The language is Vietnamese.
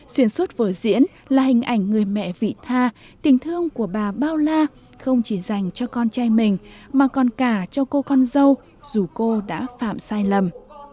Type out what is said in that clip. xuyên suốt vở diễn là hình ảnh người mẹ vị tha tình thương của bà bao la không chỉ dành cho con trai mình mà còn cả cho cô con dâu dù cô đã phạm sai lầm